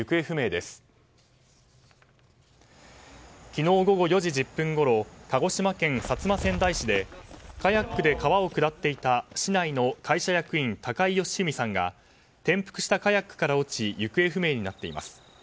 昨日午後４時１０分ごろ鹿児島県薩摩川内市でカヤックで川を下っていた市内の会社役員高井芳史さんが転覆したカヤックから落ち行方不明になっています。